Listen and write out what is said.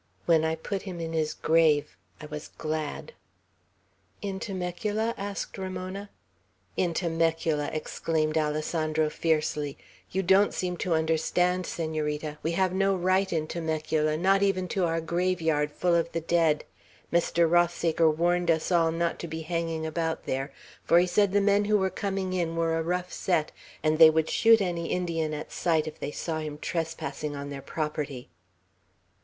When I put him in his grave, I was glad." "In Temecula?" asked Ramona. "In Temecula." exclaimed Alessandro, fiercely. "You don't seem to understand, Senorita. We have no right in Temecula, not even to our graveyard full of the dead. Mr. Rothsaker warned us all not to be hanging about there; for he said the men who were coming in were a rough set, and they would shoot any Indian at sight, if they saw him trespassing on their property."